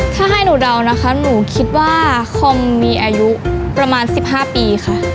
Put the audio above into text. ถ้าให้หนูเดานะคะหนูคิดว่าคอมมีอายุประมาณ๑๕ปีค่ะ